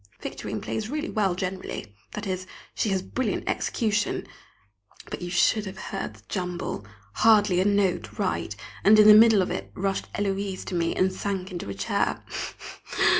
Victorine plays really well generally that is, she has brilliant execution but you should have heard the jumble! hardly a note right, and in the middle of it up rushed Héloise to me and sank into a chair.